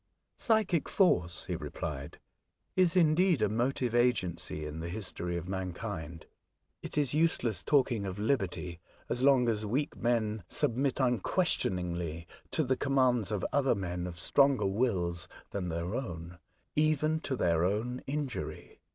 "Psychic force," he replied, "is indeed a motive agency in the history of mankind. It is useless talking of liberty as long as weak 32 A Voyage to Other Worlds. men submit unquestioningly to the commands of other men of stronger wills than their own, even to their own injury.